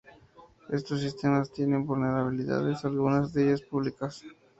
Estos sistemas tienen vulnerabilidades, algunas de ellas públicas.